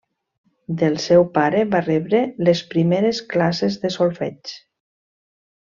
Del seu pare va rebre les primeres classes de solfeig.